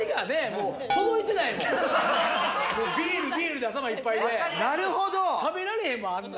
もうもうビールビールで頭いっぱいでなるほど食べられへんもんあんな